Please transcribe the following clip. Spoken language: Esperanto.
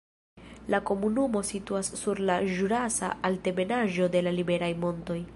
La komunumo situas sur la ĵurasa altebenaĵo de la Liberaj Montoj.